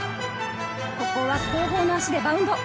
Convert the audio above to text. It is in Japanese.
ここは後方の足でバウンド。